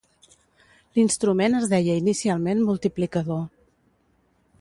L’instrument es deia inicialment multiplicador.